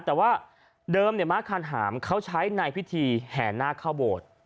แต่ว่าเดิมม้าคานหามเขาใช้ในพิธีแห่นาคเข้าโบสถ์